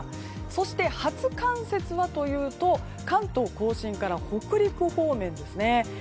そして、初冠雪はというと関東・甲信から北陸方面。